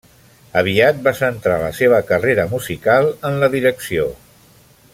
Aviat va centrar la seva carrera musical en la direcció.